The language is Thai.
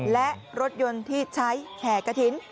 และรถยนต์ที่ใช้แห่กระถิ่น